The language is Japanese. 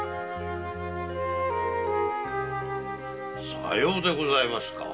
さようでございますか。